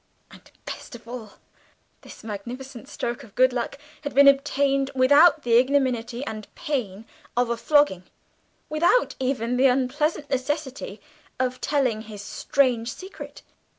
And, best of all, this magnificent stroke of good luck had been obtained without the ignominy and pain of a flogging, without even the unpleasant necessity of telling his strange secret.